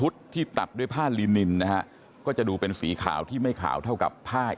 สวัสดีครับ